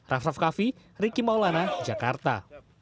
raffi raffi ricky maulana jakarta